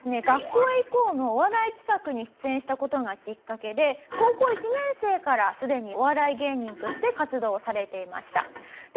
『学校へ行こう！』のお笑い企画に出演した事がきっかけで高校１年生からすでにお笑い芸人として活動をされていました。